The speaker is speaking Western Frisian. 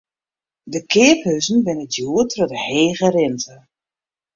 De keaphuzen binne djoer troch de hege rinte.